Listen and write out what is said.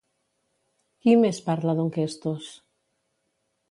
Qui més parla d'Onquestos?